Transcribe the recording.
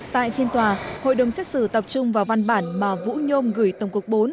tại phiên tòa hội đồng xét xử tập trung vào văn bản mà vũ nhôm gửi tổng quốc bốn